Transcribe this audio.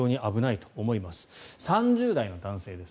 ８０代の女性です。